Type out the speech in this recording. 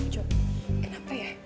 cok kenapa ya